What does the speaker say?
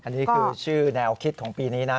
อันนี้คือชื่อแนวคิดของปีนี้นะ